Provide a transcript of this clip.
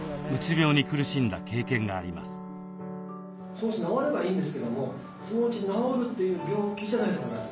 そのうち治ればいいんですけどもそのうち治るという病気じゃないと思います。